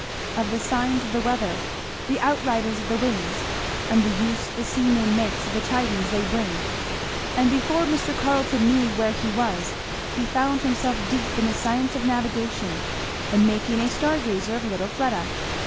Of the signs of the weather; the out riders of the winds, and the use the seaman makes of the tidings they bring; and before Mr. Carleton knew where he was he found himself deep in the science of navigation, and making a star gazer of little Fleda.